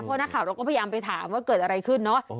เพราะนักข่าวเราก็พยายามไปถามว่าเกิดอะไรขึ้นเนอะ